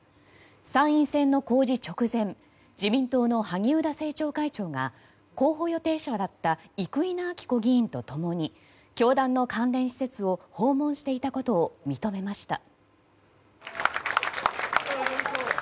参院選の公示直前自民党の萩生田政調会長が候補予定者だった生稲晃子議員と共に教団の関連施設を訪問していたことを認めました。